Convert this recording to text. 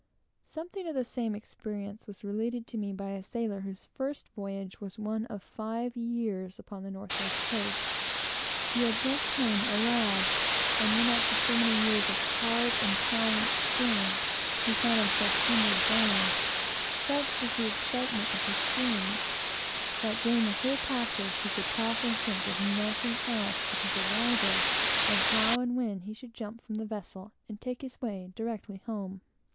Something of the same experience was related to me by a sailor whose first voyage was one of five years upon the North west Coast. He had left home, a lad, and after several years of very hard and trying experience, found himself homeward bound; and such was the excitement of his feelings that, during the whole passage, he could talk and think of nothing else but his arrival, and how and when he should jump from the vessel and take his way directly home.